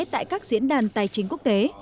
tại các diễn đàn tài chính quốc tế